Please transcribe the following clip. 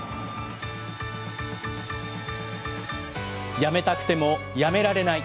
やめたくてもやめられない。